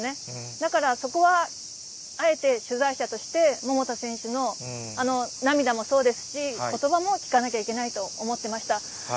だからそこは、あえて取材者として桃田選手のあの涙もそうですし、ことばも聞かなきゃいけないと思ってました。